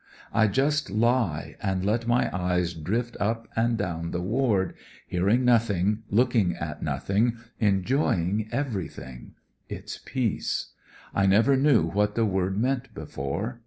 I just lie, and let my eyes drift up and down the ward, hearing nothing, looking at nothing, enjoy ing everything — it's peace. I never knew what the word meant before.